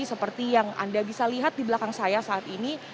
seperti yang anda bisa lihat di belakang saya saat ini